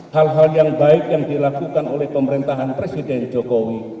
hal hal yang baik yang dilakukan oleh pemerintahan presiden jokowi